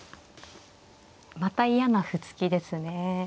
また嫌な歩突きですね。